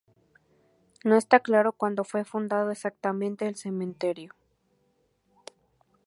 No está claro cuándo fue fundado exactamente el cementerio.